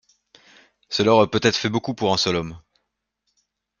Cela aurait peut-être fait beaucoup pour un seul homme.